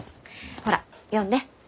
ほら読んで。